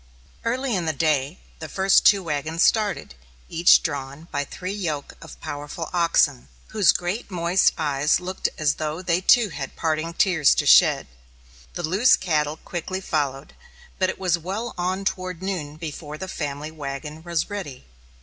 Early in the day, the first two wagons started, each drawn by three yoke of powerful oxen, whose great moist eyes looked as though they too had parting tears to shed. The loose cattle quickly followed, but it was well on toward noon before the family wagon was ready.